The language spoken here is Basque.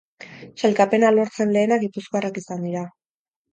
Sailkapena lortzen lehenak gipuzkoarrak izan dira.